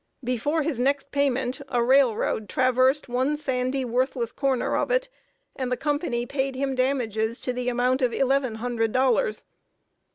Before his next payment, a railroad traversed one sandy worthless corner of it, and the company paid him damages to the amount of eleven hundred dollars.